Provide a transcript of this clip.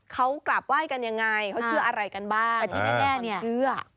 เขากลับไหว้กันอย่างไรเขาเชื่ออะไรกันบ้าง